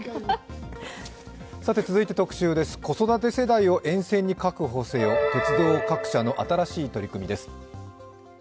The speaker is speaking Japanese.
続いて特集です、子育て世代を沿線に確保せよ、鉄道各社の新しい取り組みです。